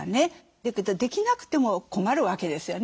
だけどできなくても困るわけですよね。